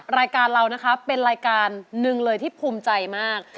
รายการเรานะคะเป็นรายการหนึ่งเลยที่ภูมิใจมาก